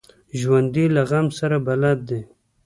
ژوندي له غم سره بلد دي